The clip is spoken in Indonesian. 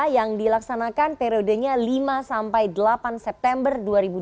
yang dilaksanakan periodenya lima sampai delapan september dua ribu dua puluh